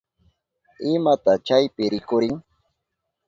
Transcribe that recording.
¿Imata chaypi rikurin?